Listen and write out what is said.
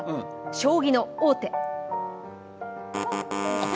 将棋の王手。